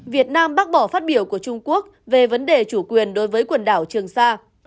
việt nam bác bỏ phát biểu của trung quốc về vấn đề chủ quyền đối với quần đảo trường sa